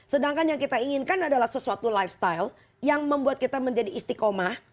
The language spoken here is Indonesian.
sedangkan yang kita inginkan adalah sesuatu lifestyle yang membuat kita menjadi istiqomah